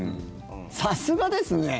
さすがですね。